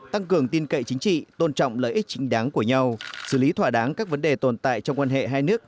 tăng cường tin cậy chính trị tôn trọng lợi ích chính đáng của nhau xử lý thỏa đáng các vấn đề tồn tại trong quan hệ hai nước